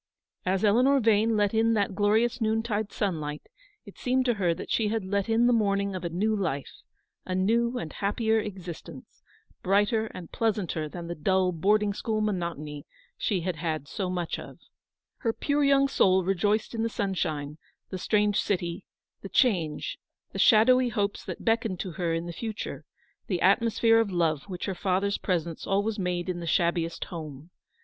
As Eleanor Vane let in that glorious noontide sunlight, it seemed to her that she had let in the morning of a new life ; a new and happier exist ence, brighter and pleasanter than the dull board ing school monotony she had had so much of. UPON THE THRESHOLD OF A GREAT SORROW. 67 Her pure young soul rejoiced in the sunshine, the strange city, the change, the shadowy hopes that beckoned to her in the future, the atmosphere of love which her father's presence always made in the shabbiest home.